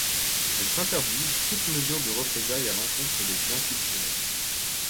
Elles s'interdisent toute mesure de représailles à l'encontre des biens culturels.